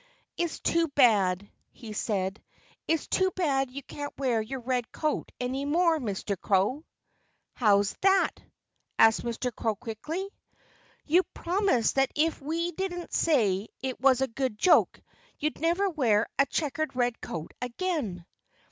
"It's too bad " he said "it's too bad you can't wear your red coat any more, Mr. Crow." "How's that?" asked Mr. Crow quickly. "You promised that if we didn't say it was a good joke you'd never wear a checkered red coat again."